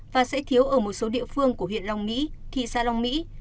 và sẽ thiếu ở một số địa phương của huyện long mỹ thị xã long mỹ